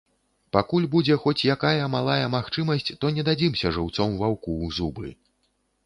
Пакуль будзе хоць якая малая магчымасць, то не дадзімся жыўцом ваўку ў зубы.